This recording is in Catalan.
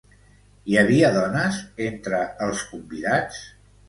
Hi havia dones entre els convidats?